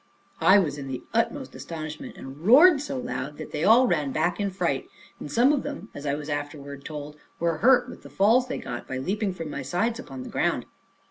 I was in the utmost astonishment, and roared so loud, that they all ran back in a fright; and some of them, as I was afterwards told, were hurt with the falls they got by leaping from my sides upon the ground.